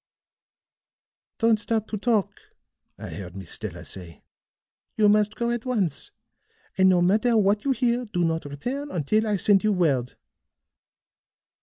"'Don't stop to talk,' I heard Miss Stella say. 'You must go at once. And no matter what you hear, do not return until I send you word.'